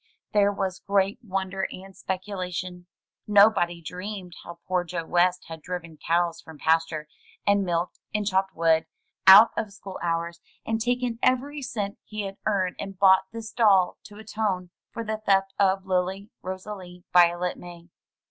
There was great wonder and speculation. Nobody dreamed how poor Joe West had driven cows from pasture, and milked, and chopped wood, out of school hours, and taken every cent he had earned and bought this doll to atone for the theft of Lily Rosalie Violet May.